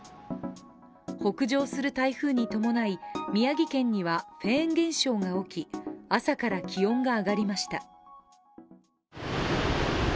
北上する台風に伴い宮城県にはフェーン現象が起き、朝から気温が上がりました。